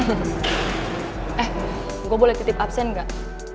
eh gue boleh titip absen gak